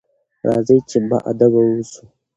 راځئ چې باادبه واوسو.